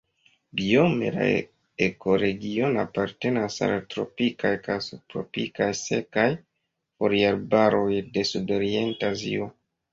Biome la ekoregiono apartenas al la tropikaj kaj subtropikaj sekaj foliarbaroj de Sudorienta Azio.